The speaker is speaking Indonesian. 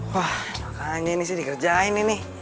wah makanya ini sih dikerjain ini